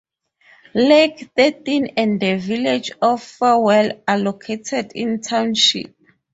Lake Thirteen and the village of Farwell are located in the township.